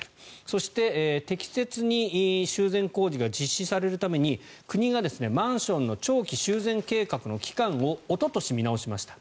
そして、適切に修繕工事が実施されるために国がマンションの長期修繕計画の期間をおととし見直しました。